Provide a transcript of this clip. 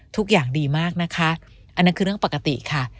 ทุกอย่างดีมากนะคะอันนั้นคือเรื่องปกติค่ะ